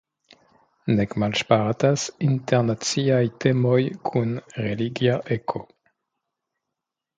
Nek malŝparatas internaciaj temoj kun religia eco.